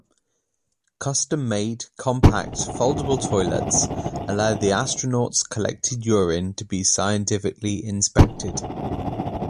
Custom-made, compact, foldable toilets allow the astronaut's collected urine to be scientifically inspected.